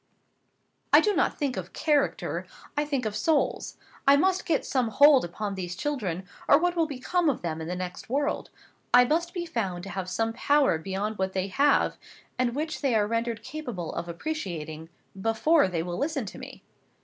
"I do not think of character: I think of souls. I must get some hold upon these children, or what will become of them in the next world? I must be found to have some power beyond what they have, and which they are rendered capable of appreciating, before they will listen to me.